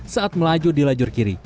saat melaju di lajur kiri